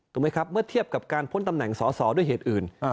ถูกไหมครับเมื่อเทียบกับการพ้นตำแหน่งสอสอด้วยเหตุอื่น